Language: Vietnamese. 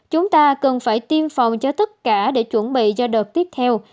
chúng ta cần phải tiêm phòng cho tất cả để chuẩn bị cho đợt tiếp theo